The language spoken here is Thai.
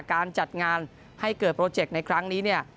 การจัดงานให้เกิดโปรเจกต์ในครั้งนี้เนี่ย